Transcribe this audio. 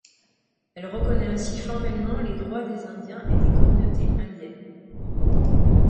Elle reconnait ainsi formellement les droits des Indiens et des communautés indiennes.